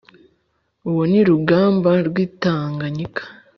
Uwo ni Rugamba rw’ i Tanganyika”!